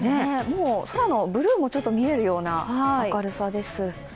もう空のブルーも見えるような明るさです。